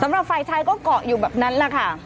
สำหรับฝ่ายชายก็เกาะอยู่แบบนั้นแหละค่ะ